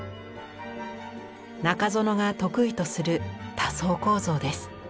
中園が得意とする多層構造です。